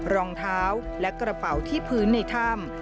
รองเท้าและกระเป๋าที่พื้นในถ้ำ